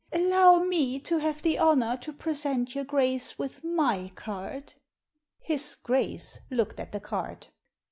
"Allow me to have the honour to present your Grace with my card." " His Grace" looked at the card.